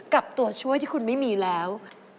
ตัวช่วยที่คุณไม่มีแล้ว